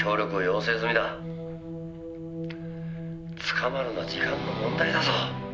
「捕まるのは時間の問題だぞ」